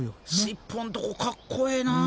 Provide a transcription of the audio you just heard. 尻尾んとこかっこええな。